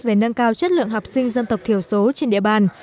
về nâng cao chất lượng học sinh dân tộc thiểu số trên địa bàn